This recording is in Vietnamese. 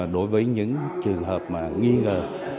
đối với những trường hợp nghi ngờ